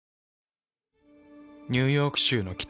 ニューヨーク州の北。